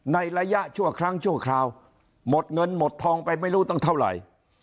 ในระยะชั่วครั้งชั่วคราวหมดเงินหมดทองไปไม่รู้ตั้งเท่าไหร่